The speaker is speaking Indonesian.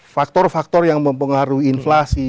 faktor faktor yang mempengaruhi inflasi